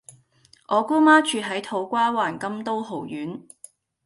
我姑媽住喺土瓜灣金都豪苑